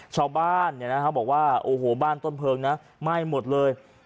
ชาวบ้านบอกว่าโอ้โหบ้านต้นเพลิงนะไหม้หมดเลย